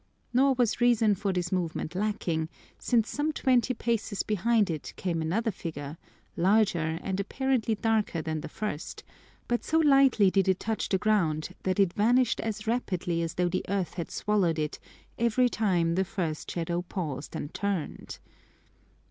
Nor was reason for this movement lacking, since some twenty paces behind it came another figure, larger and apparently darker than the first, but so lightly did it touch the ground that it vanished as rapidly as though the earth had swallowed it every time the first shadow paused and turned.